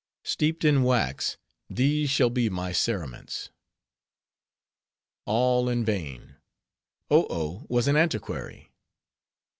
Steeped in wax, these shall be my cerements." All in vain; Oh Oh was an antiquary.